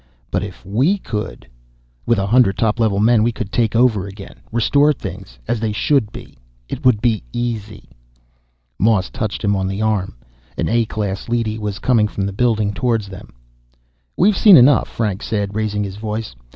But if we could " "With a hundred top level men, we could take over again, restore things as they should be! It would be easy!" Moss touched him on the arm. An A class leady was coming from the building toward them. "We've seen enough," Franks said, raising his voice.